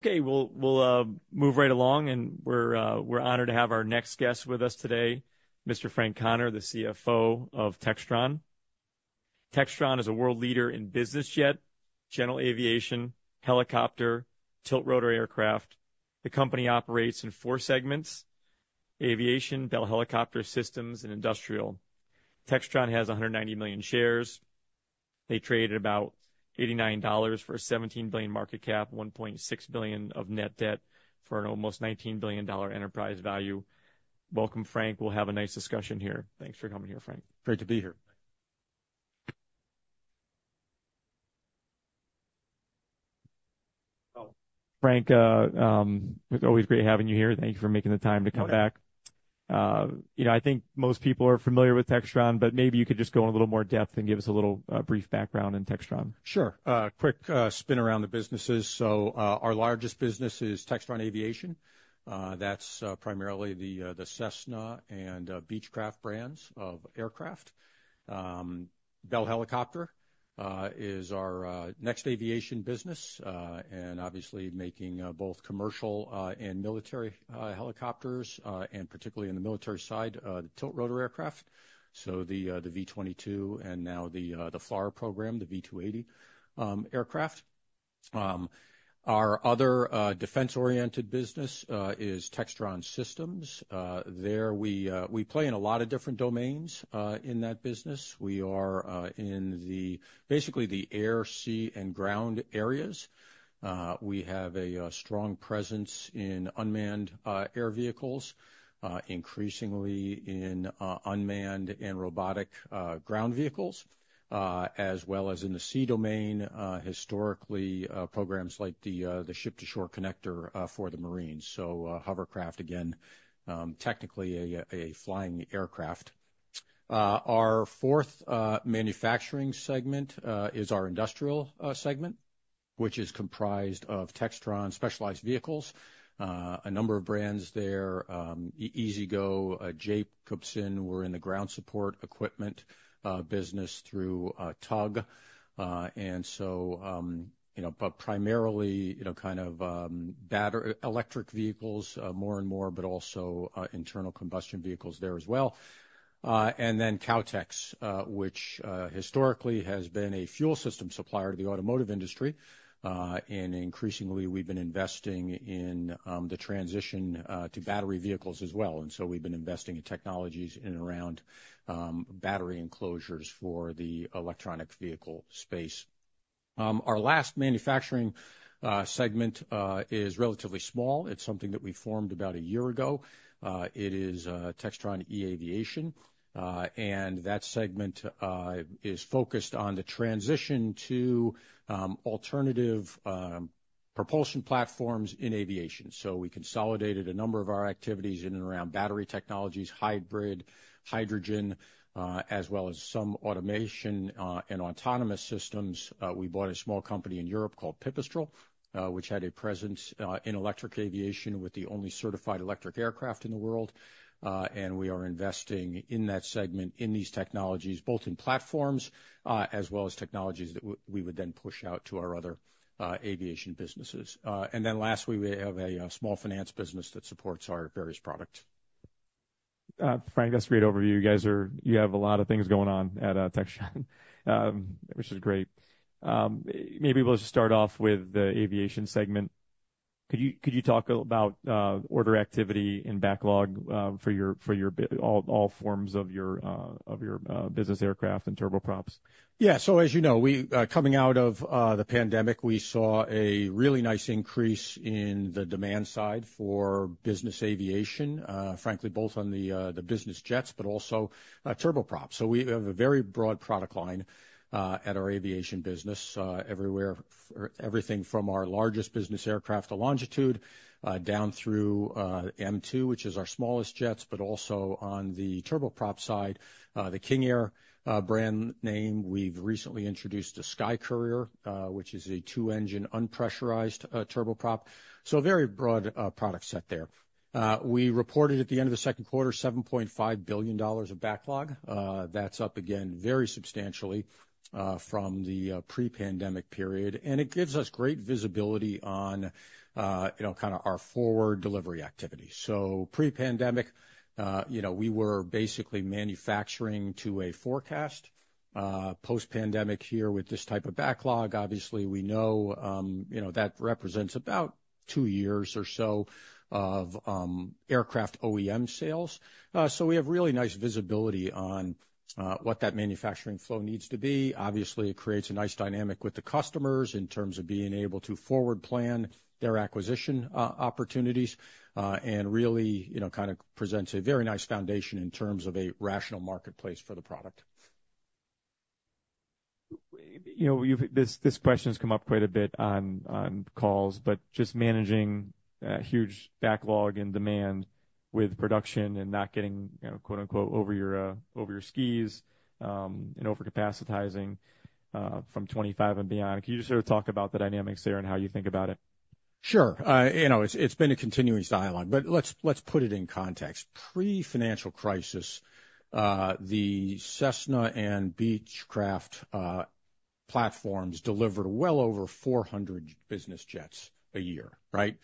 Okay, we'll move right along, and we're honored to have our next guest with us today, Mr. Frank Connor, the CFO of Textron. Textron is a world leader in business jet, general Aviation, helicopter, tiltrotor aircraft. The company operates in four segments: Aviation, Bell Helicopter, Systems, and Industrial. Textron has 190 million shares. They trade at about $89 for a $17 billion market cap, $1.6 billion of net debt, for an almost $19 billion enterprise value. Welcome, Frank. We'll have a nice discussion here. Thanks for coming here, Frank. Great to be here. Frank, it's always great having you here. Thank you for making the time to come back. My pleasure. You know, I think most people are familiar with Textron, but maybe you could just go in a little more depth and give us a little brief background in Textron. Sure. A quick spin around the businesses. So, our largest business is Textron Aviation. That's primarily the Cessna and Beechcraft brands of aircraft. Bell Helicopter is our next Aviation business, and obviously making both commercial and military helicopters, and particularly in the military side, the tiltrotor aircraft, so the V-22, and now the FLRAA program, the V-280 aircraft. Our other defense-oriented business is Textron Systems. There we play in a lot of different domains in that business. We are in basically the air, sea, and ground areas. We have a strong presence in unmanned air vehicles, increasingly in unmanned and robotic ground vehicles, as well as in the sea domain. Historically programs like the Ship-to-Shore Connector for the Marines, so hovercraft again, technically a flying aircraft. Our fourth manufacturing segment is our Industrial segment, which is comprised of Textron Specialized Vehicles. A number of brands there, E-Z-GO, Jacobsen. We're in the ground support equipment business through TUG, and so you know, but primarily, you know, kind of battery-electric vehicles more and more, but also internal combustion vehicles there as well. And then Kautex, which historically has been a fuel system supplier to the automotive industry, and increasingly we've been investing in the transition to electric vehicles as well, and so we've been investing in technologies in and around battery enclosures for the electric vehicle space. Our last manufacturing segment is relatively small. It's something that we formed about a year ago. It is Textron eAviation, and that segment is focused on the transition to alternative propulsion platforms in Aviation. So we consolidated a number of our activities in and around battery technologies, hybrid, hydrogen, as well as some automation and autonomous systems. We bought a small company in Europe called Pipistrel, which had a presence in electric Aviation with the only certified electric aircraft in the world, and we are investing in that segment, in these technologies, both in platforms, as well as technologies that we would then push out to our other Aviation businesses. And then lastly, we have a small finance business that supports our various product. Frank, that's a great overview. You guys are, you have a lot of things going on at Textron, which is great. Maybe we'll just start off with the Aviation segment. Could you talk about order activity and backlog for your business, all forms of your business aircraft and turboprops? Yeah. So, as you know, we... Coming out of the pandemic, we saw a really nice increase in the demand side for business Aviation, frankly, both on the business jets, but also, turboprops. So we have a very broad product line at our Aviation business, everywhere, everything from our largest business aircraft, the Longitude, down through M2, which is our smallest jets, but also on the turboprop side, the King Air brand name. We've recently introduced the SkyCourier, which is a two-engine, unpressurized turboprop, so a very broad product set there. We reported at the end of the second quarter, $7.5 billion of backlog. That's up again, very substantially, from the pre-pandemic period, and it gives us great visibility on, you know, kind of our forward delivery activity. So pre-pandemic, you know, we were basically manufacturing to a forecast. Post-pandemic here, with this type of backlog, obviously, we know, you know, that represents about two years or so of aircraft OEM sales. So we have really nice visibility on, what that manufacturing flow needs to be. Obviously, it creates a nice dynamic with the customers in terms of being able to forward plan their acquisition opportunities, and really, you know, kind of presents a very nice foundation in terms of a rational marketplace for the product. You know, this question's come up quite a bit on calls, but just managing huge backlog and demand with production and not getting, you know, quote, unquote, "over your skis," and overcapacitizing from 2025 and beyond. Can you just sort of talk about the dynamics there and how you think about it? Sure. You know, it's been a continuing dialogue, but let's put it in context. Pre-financial crisis, the Cessna and Beechcraft platforms delivered well over 400 business jets a year, right?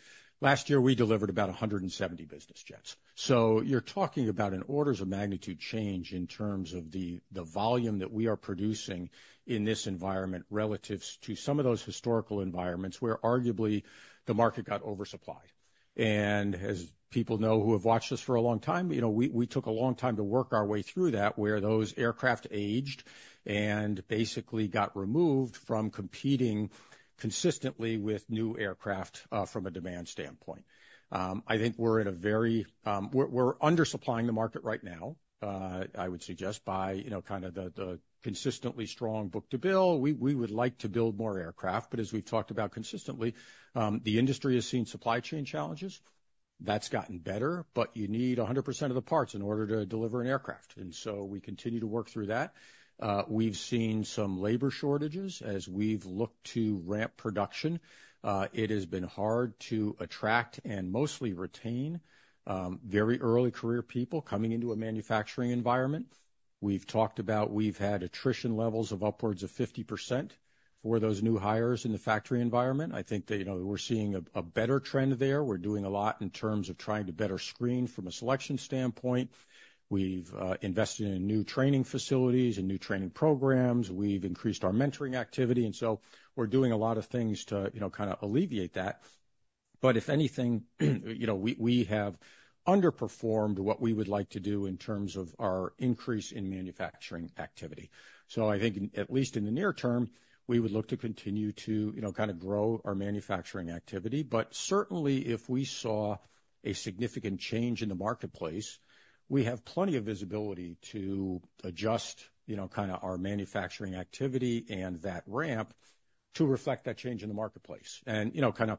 Last year, we delivered about 170 business jets. So you're talking about an order of magnitude change in terms of the volume that we are producing in this environment relative to some of those historical environments, where arguably, the market got oversupplied, and as people know, who have watched us for a long time, you know, we took a long time to work our way through that, where those aircraft aged and basically got removed from competing consistently with new aircraft, from a demand standpoint. I think we're at a very. We're undersupplying the market right now, I would suggest, by you know, kind of the consistently strong book-to-bill. We would like to build more aircraft, but as we've talked about consistently, the industry has seen supply chain challenges. That's gotten better, but you need 100% of the parts in order to deliver an aircraft, and so we continue to work through that. We've seen some labor shortages as we've looked to ramp production. It has been hard to attract and mostly retain very early career people coming into a manufacturing environment. We've talked about, we've had attrition levels of upwards of 50% for those new hires in the factory environment. I think that, you know, we're seeing a better trend there. We're doing a lot in terms of trying to better screen from a selection standpoint. We've invested in new training facilities and new training programs. We've increased our mentoring activity, and so we're doing a lot of things to, you know, kind of alleviate that. But if anything, you know, we, we have underperformed what we would like to do in terms of our increase in manufacturing activity. So I think in, at least in the near term, we would look to continue to, you know, kind of grow our manufacturing activity. But certainly, if we saw a significant change in the marketplace, we have plenty of visibility to adjust, you know, kind of our manufacturing activity and that ramp to reflect that change in the marketplace. And, you know, kind of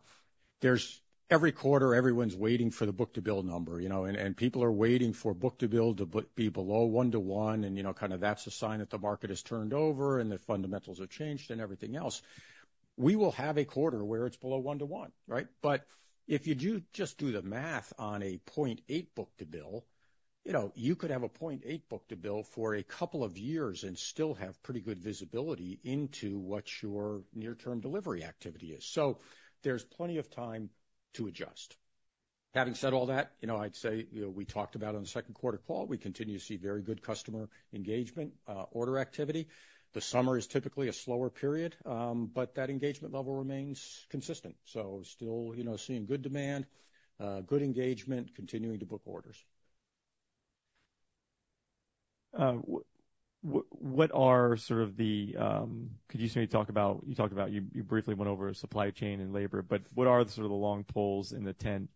there's... Every quarter, everyone's waiting for the book-to-bill number, you know, and people are waiting for book-to-bill to be below one-to-one, and, you know, kind of that's a sign that the market has turned over, and the fundamentals have changed and everything else. We will have a quarter where it's below one-to-one, right? But if you just do the math on a 0.8 book-to-bill, you know, you could have a 0.8 book-to-bill for a couple of years and still have pretty good visibility into what your near-term delivery activity is. So there's plenty of time to adjust. Having said all that, you know, I'd say, you know, we talked about on the second quarter call, we continue to see very good customer engagement, order activity. The summer is typically a slower period, but that engagement level remains consistent. So still, you know, seeing good demand, good engagement, continuing to book orders. What are sort of the... Could you maybe talk about? You talked about, you briefly went over supply chain and labor, but what are sort of the long poles in the tent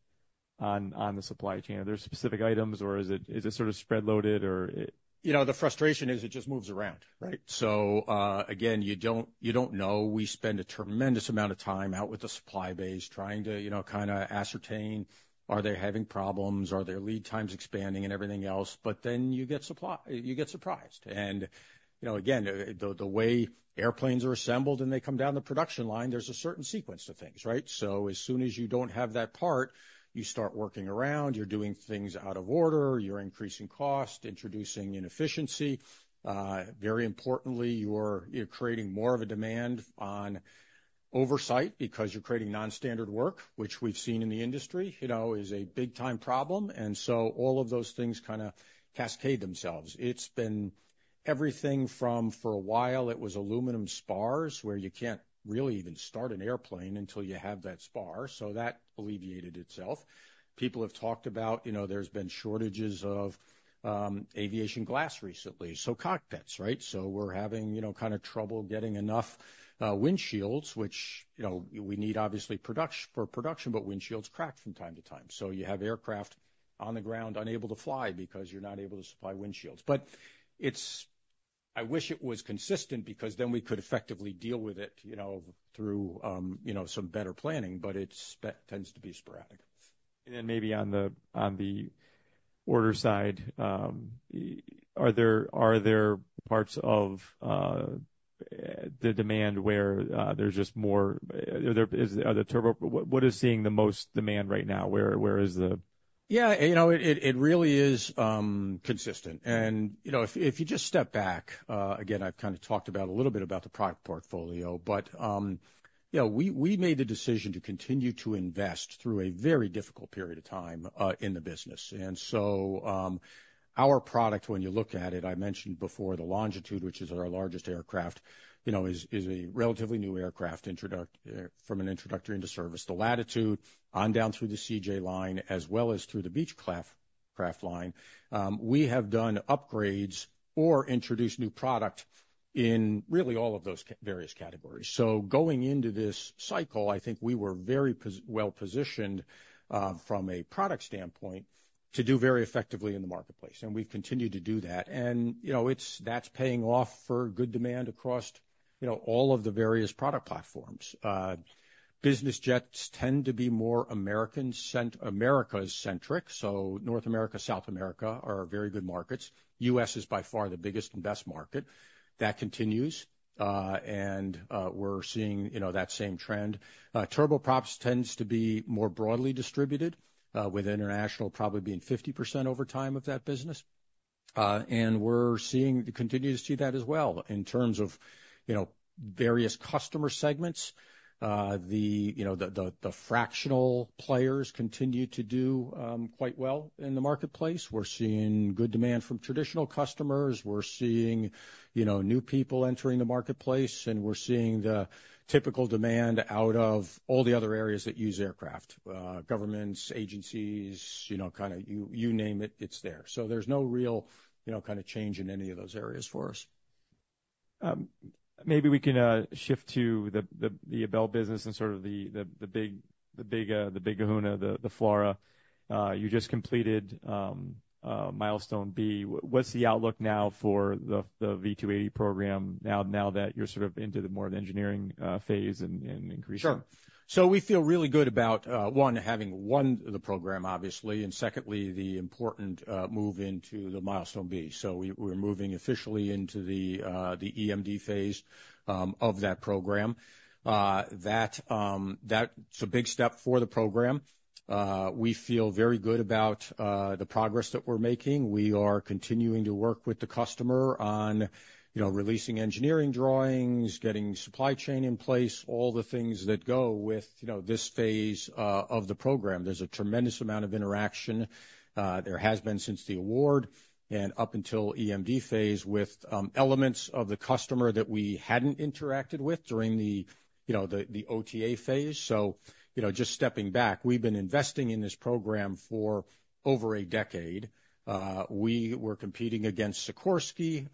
on the supply chain? Are there specific items, or is it sort of spread loaded, or it? You know, the frustration is it just moves around, right? So, again, you don't know. We spend a tremendous amount of time out with the supply base trying to, you know, kind of ascertain, are they having problems? Are their lead times expanding and everything else? But then you get surprised. And, you know, again, the way airplanes are assembled, and they come down the production line, there's a certain sequence to things, right? So as soon as you don't have that part, you start working around, you're doing things out of order, you're increasing cost, introducing inefficiency. Very importantly, you're creating more of a demand on oversight because you're creating non-standard work, which we've seen in the industry, you know, is a big-time problem. And so all of those things kind of cascade themselves. It's been everything from, for a while, it was aluminum spars, where you can't really even start an airplane until you have that spar, so that alleviated itself. People have talked about, you know, there's been shortages of, Aviation glass recently, so cockpits, right? So we're having, you know, kind of trouble getting enough, windshields, which, you know, we need obviously product- for production, but windshields crack from time to time. So you have aircraft on the ground unable to fly because you're not able to supply windshields. But it's. I wish it was consistent because then we could effectively deal with it, you know, through, you know, some better planning, but it tends to be sporadic. And then maybe on the order side, are there parts of the demand where there's just more? What is seeing the most demand right now? Where is the- Yeah, you know, it, it really is consistent. And, you know, if, if you just step back, again, I've kind of talked about a little bit about the product portfolio, but, you know, we, we made the decision to continue to invest through a very difficult period of time in the business. And so, our product, when you look at it, I mentioned before, the Longitude, which is our largest aircraft, you know, is, is a relatively new aircraft, introduced from an introductory into service. The Latitude on down through the CJ line, as well as through the Beechcraft line, we have done upgrades or introduced new product in really all of those various categories. Going into this cycle, I think we were very well positioned from a product standpoint to do very effectively in the marketplace, and we've continued to do that. You know, that's paying off for good demand across, you know, all of the various product platforms. Business jets tend to be more Americas-centric, so North America, South America are very good markets. U.S. is by far the biggest and best market. That continues, and we're seeing, you know, that same trend. Turboprops tends to be more broadly distributed with international probably being 50% over time of that business. And we're seeing, we continue to see that as well. In terms of, you know, various customer segments, the fractional players continue to do quite well in the marketplace. We're seeing good demand from traditional customers, we're seeing, you know, new people entering the marketplace, and we're seeing the typical demand out of all the other areas that use aircraft, governments, agencies, you know, kind of, you name it, it's there. So there's no real, you know, kind of change in any of those areas for us. Maybe we can shift to the Bell business and sort of the Big Kahuna, the FLRAA. You just completed Milestone B. What's the outlook now for the V-280 program now that you're sort of into more of the engineering phase and increase? Sure. So we feel really good about one, having won the program, obviously, and secondly, the important move into the Milestone B. So we're moving officially into the EMD phase of that program. That's a big step for the program. We feel very good about the progress that we're making. We are continuing to work with the customer on, you know, releasing engineering drawings, getting supply chain in place, all the things that go with, you know, this phase of the program. There's a tremendous amount of interaction there has been since the award, and up until EMD phase, with elements of the customer that we hadn't interacted with during the, you know, the OTA phase. So, you know, just stepping back, we've been investing in this program for over a decade. We were competing against Sikorsky.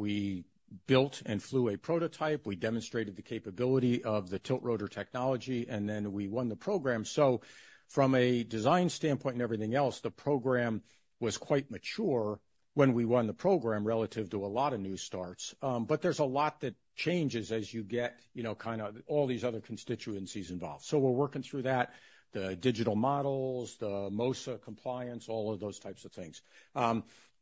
We built and flew a prototype, we demonstrated the capability of the tiltrotor technology, and then we won the program, so from a design standpoint and everything else, the program was quite mature when we won the program relative to a lot of new starts, but there's a lot that changes as you get, you know, kind of all these other constituencies involved, so we're working through that, the digital models, the MOSA compliance, all of those types of things.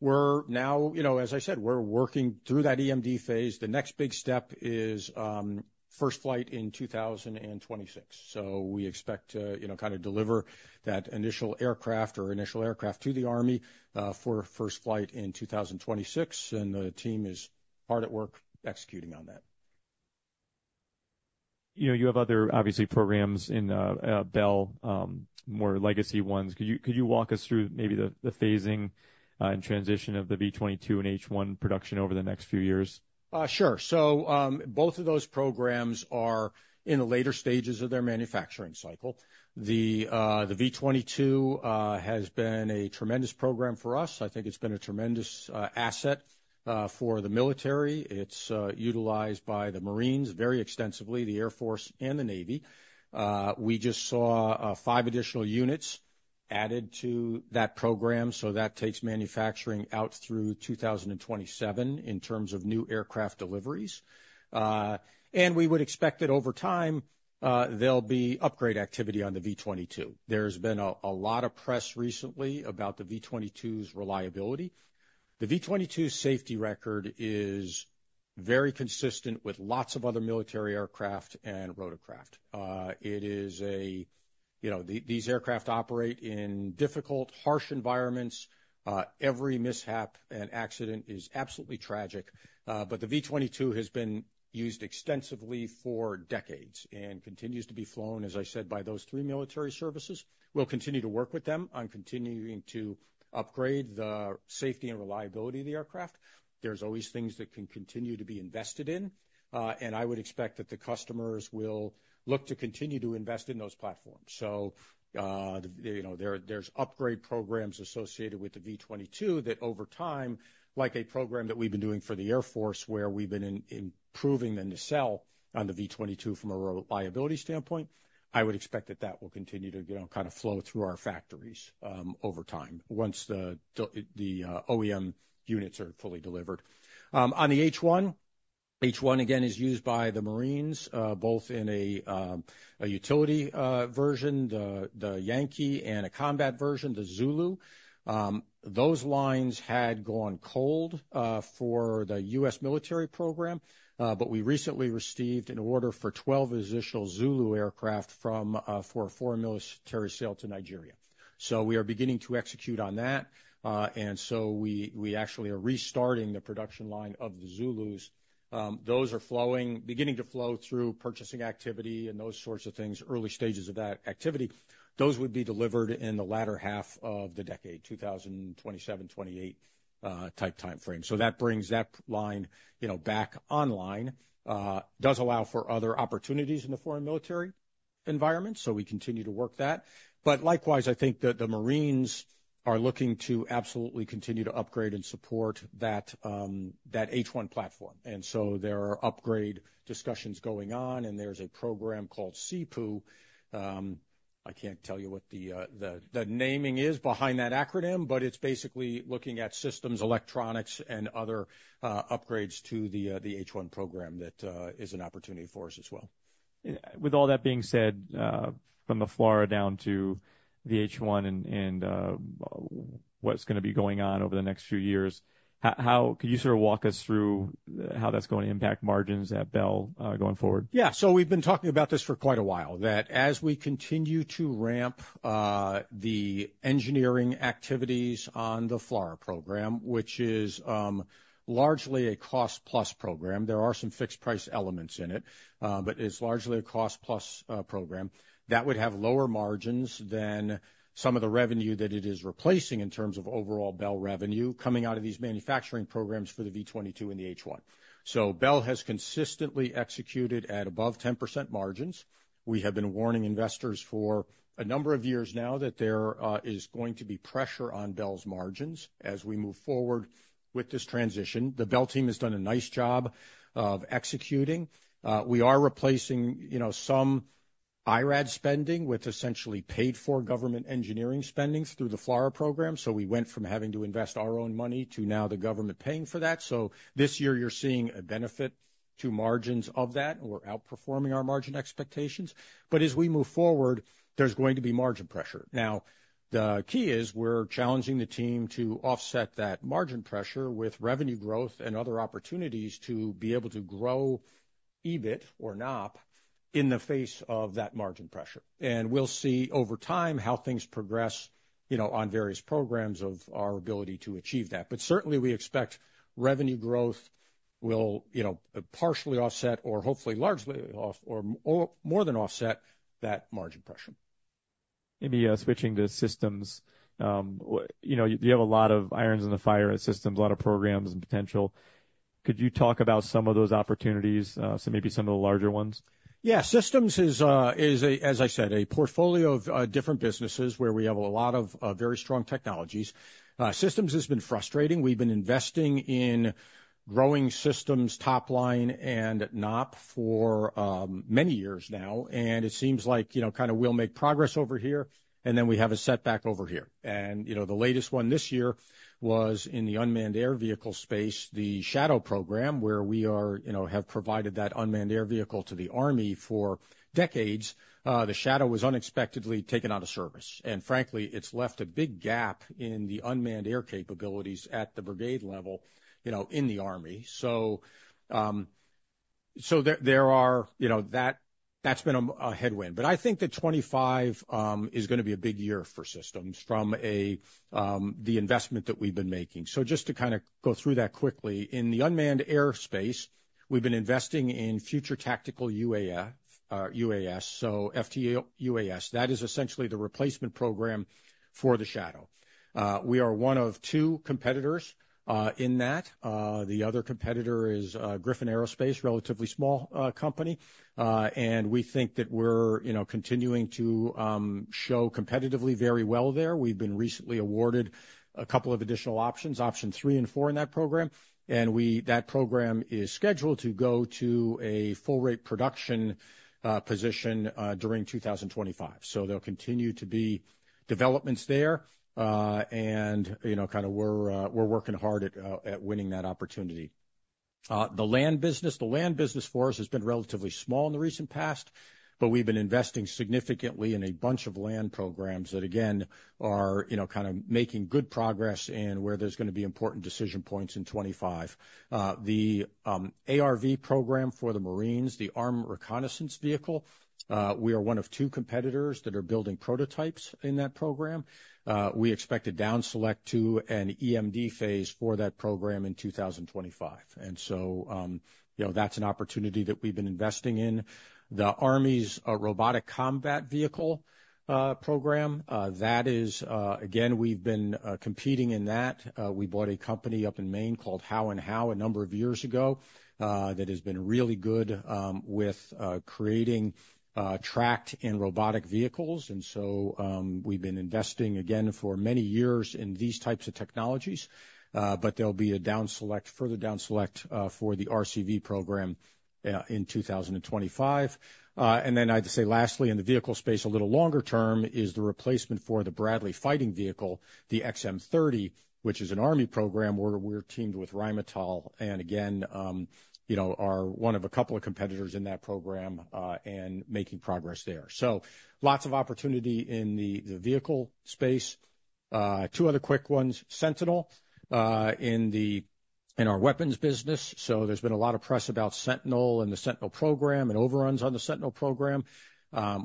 We're now, you know, as I said, we're working through that EMD phase. The next big step is first flight in 2026. We expect to, you know, kind of deliver that initial aircraft to the Army for first flight in 2026, and the team is hard at work executing on that. You know, you have other, obviously, programs in Bell, more legacy ones. Could you walk us through maybe the phasing, and transition of the V-22 and H-1 production over the next few years? Sure. So, both of those programs are in the later stages of their manufacturing cycle. The V-22 has been a tremendous program for us. I think it's been a tremendous asset for the military. It's utilized by the Marines very extensively, the Air Force and the Navy. We just saw five additional units added to that program, so that takes manufacturing out through 2027 in terms of new aircraft deliveries. And we would expect that over time, there'll be upgrade activity on the V-22. There's been a lot of press recently about the V-22's reliability. The V-22 safety record is very consistent with lots of other military aircraft and rotorcraft. It is a, you know, these aircraft operate in difficult, harsh environments. Every mishap and accident is absolutely tragic, but the V-22 has been used extensively for decades and continues to be flown, as I said, by those three military services. We'll continue to work with them on continuing to upgrade the safety and reliability of the aircraft. There's always things that can continue to be invested in, and I would expect that the customers will look to continue to invest in those platforms. You know, there's upgrade programs associated with the V-22 that over time, like a program that we've been doing for the Air Force, where we've been improving the nacelle on the V-22 from a reliability standpoint, I would expect that will continue to, you know, kind of flow through our factories, over time, once the OEM units are fully delivered. On the H-1, H-1 again is used by the Marines both in a utility version, the Yankee, and a combat version, the Zulu. Those lines had gone cold for the U.S. military program, but we recently received an order for 12 additional Zulu aircraft for a foreign military sale to Nigeria. We are beginning to execute on that. And so we actually are restarting the production line of the Zulus. Those are flowing, beginning to flow through purchasing activity and those sorts of things, early stages of that activity. Those would be delivered in the latter half of the decade, 2027-2028 type timeframe. That brings that line, you know, back online. Does allow for other opportunities in the foreign military environment, so we continue to work that. But likewise, I think the Marines are looking to absolutely continue to upgrade and support that H-1 platform. And so there are upgrade discussions going on, and there's a program called SIEPU. I can't tell you what the naming is behind that acronym, but it's basically looking at systems, electronics, and other upgrades to the H-1 program that is an opportunity for us as well. With all that being said, from the FLRAA down to the H-1 and what's gonna be going on over the next few years? How could you sort of walk us through how that's going to impact margins at Bell going forward? Yeah. So we've been talking about this for quite a while, that as we continue to ramp the engineering activities on the FLRAA program, which is largely a cost-plus program, there are some fixed price elements in it, but it's largely a cost-plus program, that would have lower margins than some of the revenue that it is replacing in terms of overall Bell revenue coming out of these manufacturing programs for the V-22 and the H-1. So Bell has consistently executed at above 10% margins. We have been warning investors for a number of years now that there is going to be pressure on Bell's margins as we move forward with this transition. The Bell team has done a nice job of executing. We are replacing, you know, some IRAD spending, with essentially paid for government engineering spendings through the FLRAA program. So we went from having to invest our own money to now the government paying for that. So this year, you're seeing a benefit to margins of that, and we're outperforming our margin expectations. But as we move forward, there's going to be margin pressure. Now, the key is we're challenging the team to offset that margin pressure with revenue growth and other opportunities to be able to grow EBIT or NOP in the face of that margin pressure. And we'll see over time how things progress, you know, on various programs of our ability to achieve that. But certainly, we expect revenue growth will, you know, partially offset or hopefully, largely off or, or more than offset that margin pressure. Maybe, switching to systems, you know, you have a lot of irons in the fire at systems, a lot of programs and potential. Could you talk about some of those opportunities, so maybe some of the larger ones? Yeah, Systems is, as I said, a portfolio of different businesses where we have a lot of very strong technologies. Systems has been frustrating. We've been investing in growing Systems, top line and NOP for many years now, and it seems like, you know, kind of we'll make progress over here, and then we have a setback over here. And, you know, the latest one this year was in the unmanned air vehicle space, the Shadow program, where we, you know, have provided that unmanned air vehicle to the Army for decades. The Shadow was unexpectedly taken out of service, and frankly, it's left a big gap in the unmanned air capabilities at the brigade level, you know, in the Army. So, so there, there are... You know, that, that's been a headwind, but I think that 2025 is gonna be a big year for systems from the investment that we've been making. So just to kind of go through that quickly. In the unmanned airspace, we've been investing in Future Tactical UAS, so FTUAS, that is essentially the replacement program for the Shadow. We are one of two competitors in that, the other competitor is Griffon Aerospace, relatively small company, and we think that we're, you know, continuing to show competitively very well there. We've been recently awarded a couple of additional options, options three and four in that program, and that program is scheduled to go to a full rate production position during 2025. So there'll continue to be developments there, and, you know, kind of we're working hard at winning that opportunity. The land business for us has been relatively small in the recent past, but we've been investing significantly in a bunch of land programs that, again, are, you know, kind of making good progress and where there's gonna be important decision points in 2025. The ARV program for the Marines, the Armored Reconnaissance Vehicle, we are one of two competitors that are building prototypes in that program. We expect to down select to an EMD phase for that program in two thousand and twenty-five. And so, you know, that's an opportunity that we've been investing in. The Army's Robotic Combat Vehicle program, that is, again, we've been competing in that. We bought a company up in Maine called Howe & Howe, a number of years ago, that has been really good with creating tracked and robotic vehicles. We've been investing again for many years in these types of technologies, but there'll be a down select, further down select, for the RCV program, in 2025. I'd say, lastly, in the vehicle space, a little longer term, is the replacement for the Bradley Fighting Vehicle, the XM30, which is an Army program, where we're teamed with Rheinmetall, and again, you know, are one of a couple of competitors in that program, and making progress there. Lots of opportunity in the vehicle space. Two other quick ones, Sentinel, in our weapons business. There's been a lot of press about Sentinel and the Sentinel program and overruns on the Sentinel program.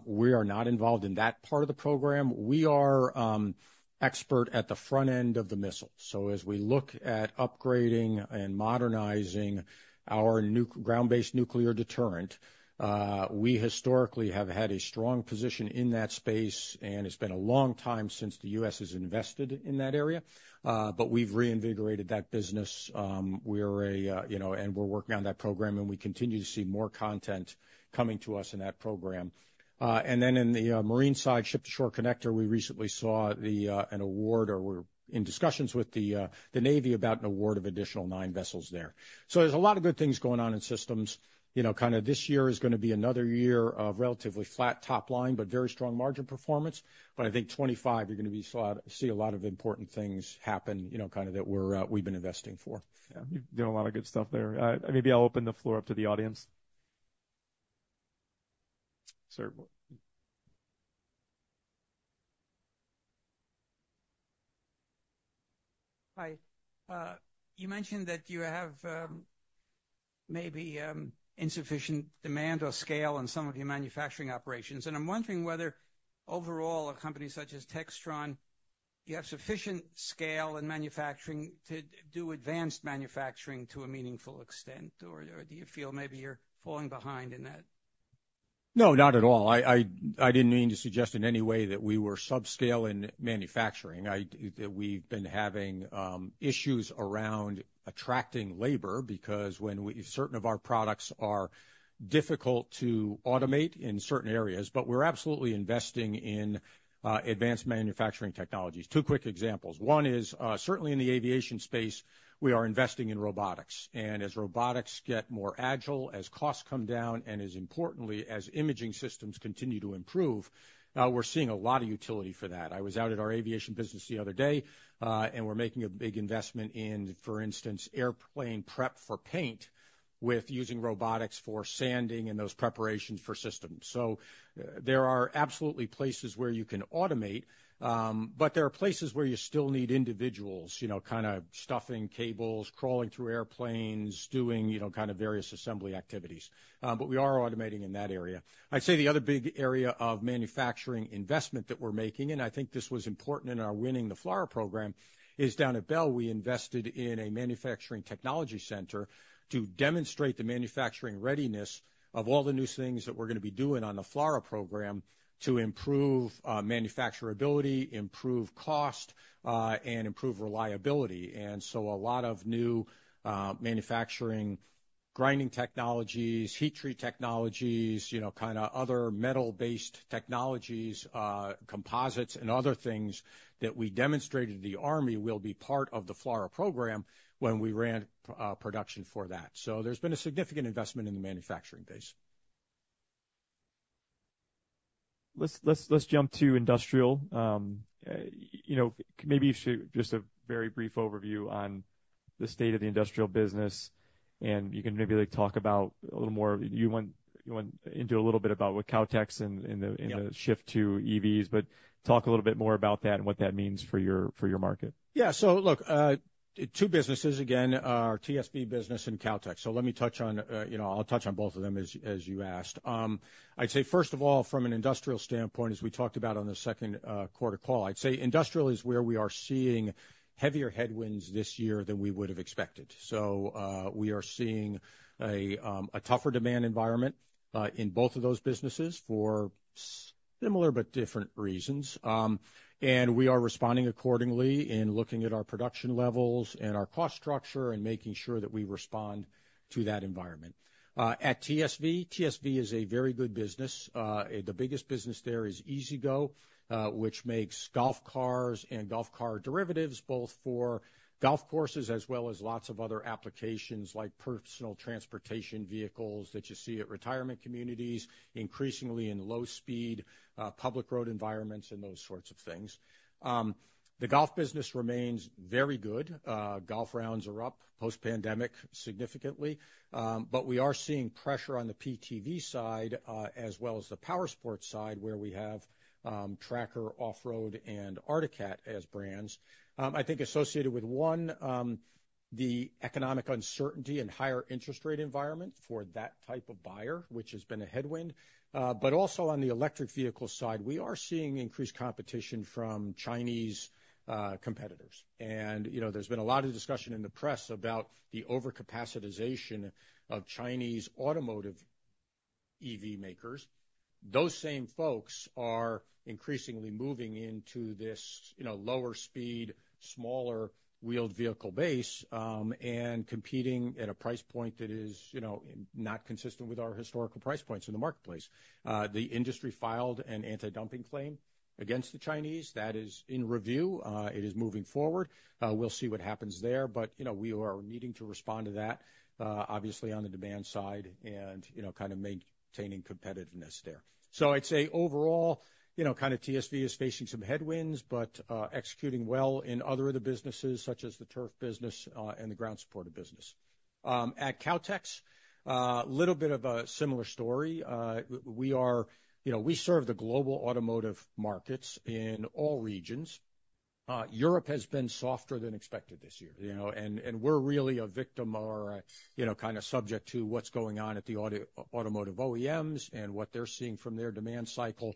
We are not involved in that part of the program. We are expert at the front end of the missile. So as we look at upgrading and modernizing our ground-based nuclear deterrent, we historically have had a strong position in that space, and it's been a long time since the U.S. has invested in that area, but we've reinvigorated that business. We are a, you know, and we're working on that program, and we continue to see more content coming to us in that program. And then in the marine side, Ship-to-Shore Connector, we recently saw an award, or we're in discussions with the Navy about an award of additional nine vessels there. So there's a lot of good things going on in systems. You know, kind of this year is gonna be another year of relatively flat top line, but very strong margin performance. But I think 2025, you're gonna see a lot of important things happen, you know, kind of that we're, we've been investing for. Yeah, you're doing a lot of good stuff there. Maybe I'll open the floor up to the audience. Sir? Hi. You mentioned that you have maybe insufficient demand or scale on some of your manufacturing operations, and I'm wondering whether, overall, a company such as Textron, you have sufficient scale in manufacturing to do advanced manufacturing to a meaningful extent, or do you feel maybe you're falling behind in that? No, not at all. I didn't mean to suggest in any way that we were subscale in manufacturing. We've been having issues around attracting labor, because certain of our products are difficult to automate in certain areas, but we're absolutely investing in advanced manufacturing technologies. Two quick examples. One is certainly in the Aviation space, we are investing in robotics. And as robotics get more agile, as costs come down, and as importantly, as imaging systems continue to improve, we're seeing a lot of utility for that. I was out at our Aviation business the other day, and we're making a big investment in, for instance, airplane prep for paint, with using robotics for sanding and those preparations for systems. So there are absolutely places where you can automate, but there are places where you still need individuals, you know, kind of stuffing cables, crawling through airplanes, doing, you know, kind of various assembly activities, but we are automating in that area. I'd say the other big area of manufacturing investment that we're making, and I think this was important in our winning the FLRAA program, is down at Bell, we invested in a Manufacturing Technology Center to demonstrate the manufacturing readiness of all the new things that we're going to be doing on the FLRAA program to improve manufacturability, improve cost, and improve reliability. And so a lot of new manufacturing, grinding technologies, heat treat technologies, you know, kind of other metal-based technologies, composites and other things that we demonstrated to the Army will be part of the FLRAA program when we ran production for that. So there's been a significant investment in the manufacturing base. Let's jump to Industrial. You know, just a very brief overview on the state of the Industrial business, and you can maybe, like, talk about a little more. You went into a little bit about with Kautex and the Yeah and the shift to EVs, but talk a little bit more about that and what that means for your market. Yeah. So look, two businesses, again, our TSV business and Kautex. So let me touch on, you know, I'll touch on both of them as you asked. I'd say, first of all, from an Industrial standpoint, as we talked about on the second quarter call, I'd say Industrial is where we are seeing heavier headwinds this year than we would have expected. So, we are seeing a tougher demand environment in both of those businesses for similar but different reasons. And we are responding accordingly in looking at our production levels and our cost structure and making sure that we respond to that environment. At TSV, TSV is a very good business. The biggest business there is E-Z-GO, which makes golf cars and golf car derivatives, both for golf courses as well as lots of other applications like personal transportation vehicles that you see at retirement communities, increasingly in low-speed, public road environments, and those sorts of things. The golf business remains very good. Golf rounds are up post-pandemic, significantly, but we are seeing pressure on the PTV side, as well as the powersport side, where we have Tracker Off Road and Arctic Cat as brands. I think associated with one, the economic uncertainty and higher interest rate environment for that type of buyer, which has been a headwind, but also on the electric vehicle side, we are seeing increased competition from Chinese competitors. You know, there's been a lot of discussion in the press about the over-capacitization of Chinese automotive EV makers. Those same folks are increasingly moving into this, you know, lower speed, smaller wheeled vehicle base, and competing at a price point that is, you know, not consistent with our historical price points in the marketplace. The industry filed an anti-dumping claim against the Chinese. That is in review. It is moving forward. We'll see what happens there, but, you know, we are needing to respond to that, obviously on the demand side and, you know, kind of maintaining competitiveness there. So I'd say overall, you know, kind of TSV is facing some headwinds, but, executing well in other of the businesses, such as the turf business, and the ground support business. At Kautex, little bit of a similar story. You know, we serve the global automotive markets in all regions. Europe has been softer than expected this year, you know, and we're really a victim or, you know, kind of subject to what's going on at the automotive OEMs and what they're seeing from their demand cycle.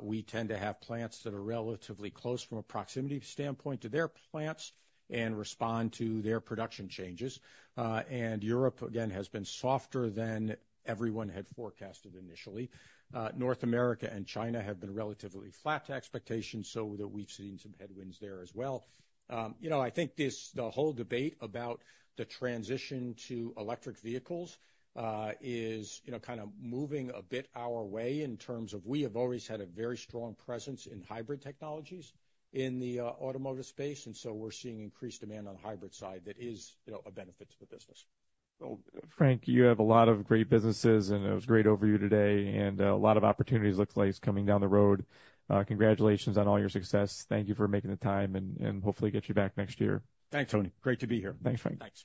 We tend to have plants that are relatively close from a proximity standpoint to their plants and respond to their production changes. And Europe, again, has been softer than everyone had forecasted initially. North America and China have been relatively flat to expectations, so that we've seen some headwinds there as well. You know, I think this, the whole debate about the transition to electric vehicles, is, you know, kind of moving a bit our way in terms of we have always had a very strong presence in hybrid technologies in the automotive space, and so we're seeing increased demand on the hybrid side that is, you know, a benefit to the business. Frank, you have a lot of great businesses, and it was great overview today, and a lot of opportunities looks like coming down the road. Congratulations on all your success. Thank you for making the time and hopefully get you back next year. Thanks, Tony. Great to be here. Thanks, Frank. Thanks.